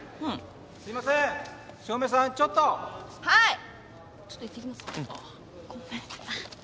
はい。